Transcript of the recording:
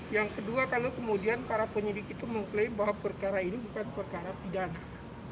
yang kedua kalau kemudian para penyidik itu mengklaim bahwa perkara ini bukan perkara pidana